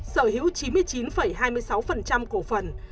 sở hữu chín mươi chín hai mươi sáu cổ phần